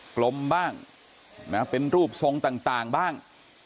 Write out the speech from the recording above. กลมบ้างเป็นรูปทรงต่างบ้าง